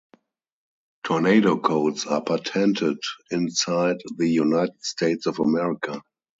Tornado codes are patented inside the United States of America.